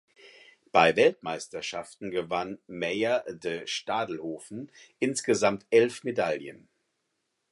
Bei Weltmeisterschaften gewann Meyer de Stadelhofen insgesamt elf Medaillen.